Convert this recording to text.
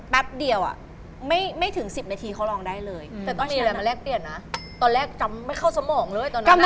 แล้วงงไหมพอเห็นเขามูหนัก